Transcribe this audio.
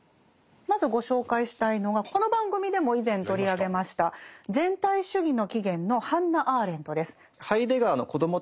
まずご紹介したいのがこの番組でも以前取り上げました「全体主義の起原」のハンナ・アーレントです。